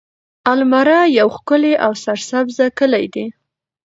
المره يو ښکلی او سرسبزه کلی دی.